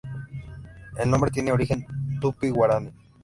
El nombre tiene origen Tupi-Guarani.